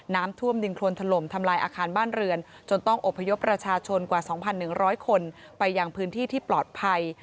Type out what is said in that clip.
น้ำท่วมดินโครนถล่มทำลายอาคารบ้านเรือนจนต้องอบพยพประชาชนกว่า๒๑๐๐คนไปยังพื้นที่ที่ปลอดภัย